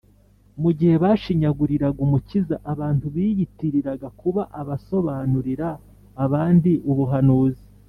mu gihe bashinyaguriraga umukiza, abantu biyitiriraga kuba abasobanurira abandi ubuhanuzi,